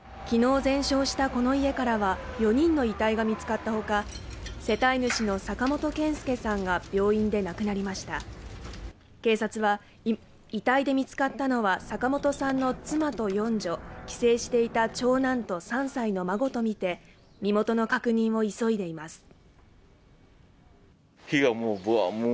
昨日全焼したこの家からは４人の遺体が見つかったほか世帯主の坂本憲介さんが病院で亡くなりました警察は遺体で見つかったのは坂本さんの妻と４女帰省していた長男と３歳の孫と見て身元の確認を急いでいます